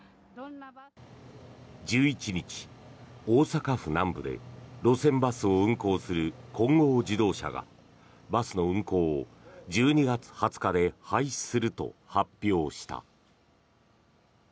１１日、大阪府南部で路線バスを運行する金剛自動車がバスの運行を１２月２０日で廃止すると発表した。